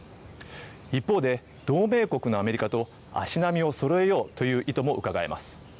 一方で、同盟国のアメリカと足並みをそろえようという意図もうかがえます。